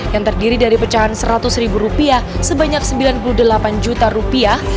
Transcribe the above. yang terdiri dari pecahan seratus ribu rupiah sebanyak sembilan puluh delapan juta rupiah